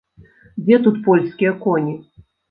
Дзе тут польскія коні?